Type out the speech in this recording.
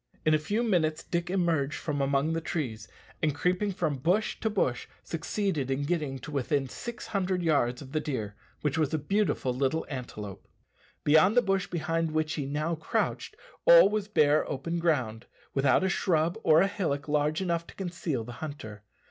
In a few minutes Dick emerged from among the trees, and creeping from bush to bush, succeeded in getting to within six hundred yards of the deer, which was a beautiful little antelope. Beyond the bush behind which he now crouched all was bare open ground, without a shrub or a hillock large enough to conceal the hunter.